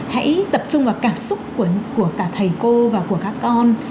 hãy tập trung vào cảm xúc của cả thầy cô và của các con